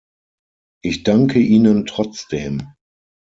Ich danke Ihnen trotzdem.